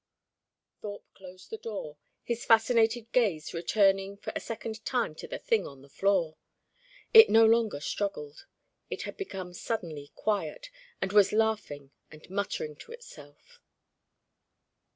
Thorpe closed the door, his fascinated gaze returning for a second to the Thing on the floor. It no longer struggled. It had become suddenly quiet, and was laughing and muttering to itself.